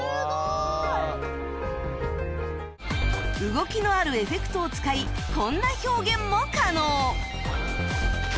動きのあるエフェクトを使いこんな表現も可能